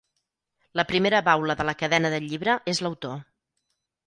La primera baula de la cadena del llibre és l'autor.